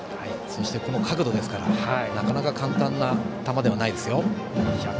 そして角度ですからなかなか簡単な球じゃないです。